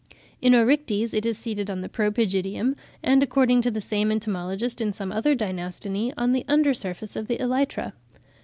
In Oryctes it is seated on the pro pygidium; and, according to the same entomologist, in some other Dynastini, on the under surface of the elytra.